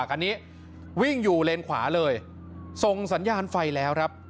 คันนี้วิ่งอยู่เลนขวาเลยส่งสัญญาณไฟแล้วครับ